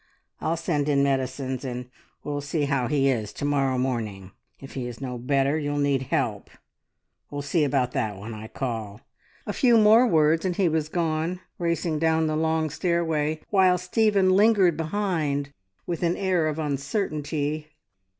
"I'll send in medicines, and we'll see how he is to morrow morning. If he is no better you'll need help. We'll see about that when I call." A few more words and he was gone, racing down the long stairway, while Stephen lingered behind with an air of uncertainty.